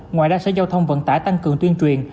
ngoài ra sở giao thông vận tải tăng cường tuyên truyền